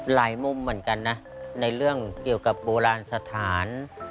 หลายมุมเหมือนกันนะในเรื่องเกี่ยวกับโบราณสถาน